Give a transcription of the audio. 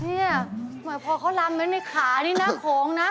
หมายความว่าพอเขาลำไว้ในขานี่น่าโขงนะ